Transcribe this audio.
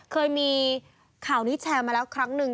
เคยมีข่าวนี้แชร์มาแล้วครั้งหนึ่ง